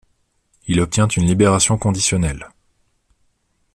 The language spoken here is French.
Il obtient une libération conditionnelle.